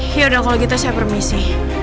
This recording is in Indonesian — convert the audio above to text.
yaudah kalau gitu saya permisi